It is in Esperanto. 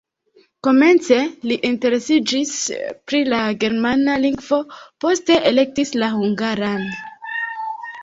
Komence li interesiĝis pri la germana lingvo, poste elektis la hungaran.